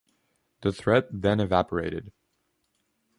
The threat then evaporated.